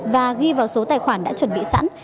và ghi vào số tài khoản đã chuẩn bị sẵn